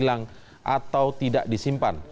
atau tidak disimpan